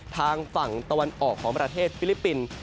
ทางฝั่งตะวันออกของประเทศฟิลิปปินส์